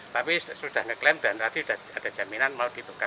tapi sudah ngeklaim dan ada jaminan mau ditukar